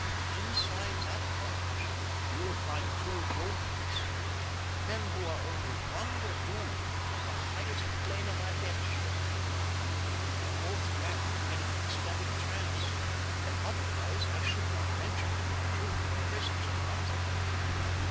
Inside that cottage you will find two Yogis men who are only one remove from the highest plane of adeptship. They are both wrapped in an ecstatic trance, otherwise I should not venture to obtrude your presence upon them.